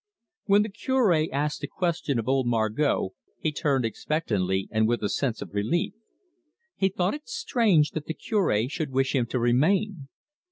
When the Cure asked the question of old Margot, he turned expectantly, and with a sense of relief. He thought it strange that the Cure should wish him to remain.